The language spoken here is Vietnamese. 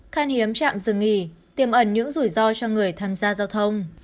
khăn hiếm chạm dừng nghỉ tiềm ẩn những rủi ro cho người tham gia giao thông